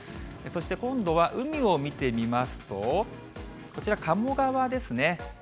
そして今度は海を見てみますと、こちら鴨川ですね。